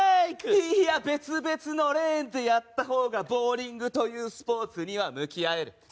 いーや、別々のレーンでやったほうがボウリングというスポーツには向き合える。